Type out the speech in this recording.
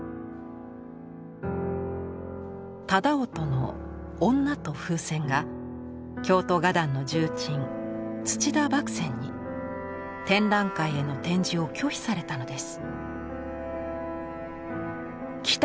楠音の「女と風船」が京都画壇の重鎮土田麦僊に展覧会への展示を拒否されたのです。